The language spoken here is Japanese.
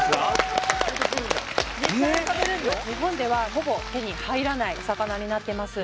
日本ではほぼ手に入らないお魚になっています。